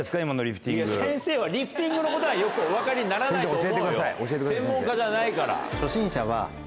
先生はリフティングのことはよくお分かりにならないと思うよ。